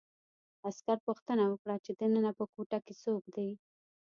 عسکر پوښتنه وکړه چې دننه په کوټه کې څوک دي